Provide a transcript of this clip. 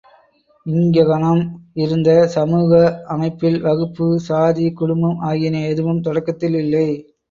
இங்ஙகனம் இருந்த சமூக அமைப்பில் வகுப்பு, சாதி, குடும்பம் ஆகியன எதுவும் தொடக்கத்தில் இல்லை.